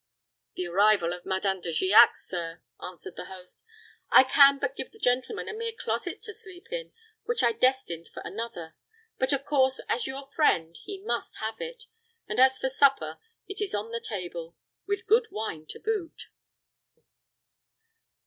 "The arrival of Madame De Giac, sir," answered the host. "I can but give the gentleman a mere closet to sleep in, which I destined for another; but of course, as your friend, he must have it; and as for supper, it is on the table, with good wine to boot."